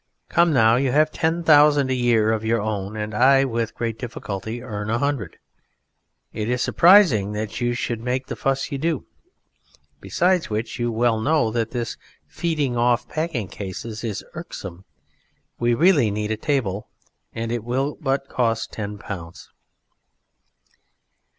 Come now, you have ten thousand a year of your own and I with great difficulty earn a hundred; it is surprising that you should make the fuss you do. Besides which you well know that this feeding off packing cases is irksome; we really need a table and it will but cost ten pounds."